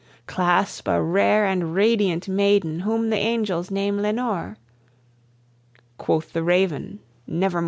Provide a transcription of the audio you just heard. Clasp a rare and radiant maiden, whom the angels name Lenore?" Quoth the Raven, "Nevermore."